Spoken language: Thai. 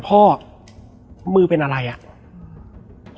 แล้วสักครั้งหนึ่งเขารู้สึกอึดอัดที่หน้าอก